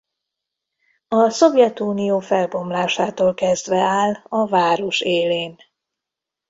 A Szovjetunió felbomlásától kezdve áll a város élén.